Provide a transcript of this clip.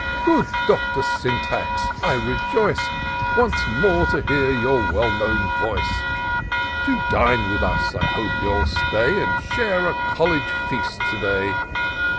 " Good Doctor Syntax, I rejoice Once more to hear your well known voice ; To dine with us I hope you'll stay. And share a college feast to day.